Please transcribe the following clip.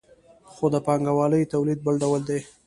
خو د پانګوالي تولید بل ډول دی.